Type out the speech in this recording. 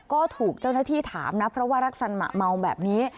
ก็ถูกเจ้าหน้าที่ถามนะเพราะว่ารักษณะเมาแบบนี้